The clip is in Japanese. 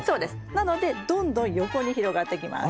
なのでどんどん横に広がってきます。